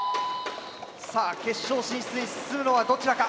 さあ決勝進出するのはどちらか？